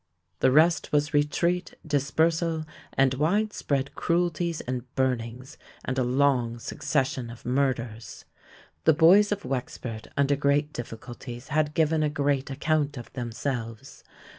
The rest was retreat, dispersal, and widespread cruelties and burnings and a long succession of murders. The "Boys of Wexford" funder great difficulties had given a great account of themselves.